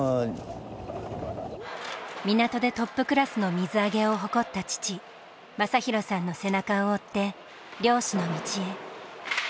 港でトップクラスの水揚げを誇った父昌博さんの背中を追って漁師の道へ。